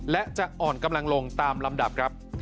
และจะอ่อนกำลังลงตามลำดับครับ